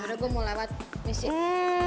udah gue mau lewat missin